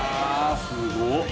すごっ。